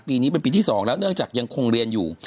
ปีนี้เป็นปีที่๒แล้วเนื่องจากยังคงเรียนอยู่